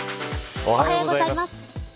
おはようございます。